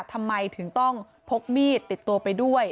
ทำไมถึงต้องพกมีดติดตัวไปด้วย